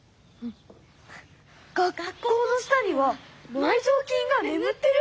学校の下には埋蔵金がねむってる！？